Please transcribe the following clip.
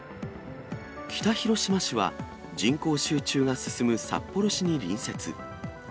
北広島市は、人口集中が進む札幌市に隣接。